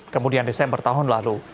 kemudian desember tahun lalu